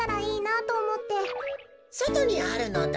そとにあるのだ。